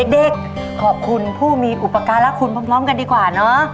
เด็กขอบคุณผู้มีอุปการะคุณพร้อมกันดีกว่าเนอะ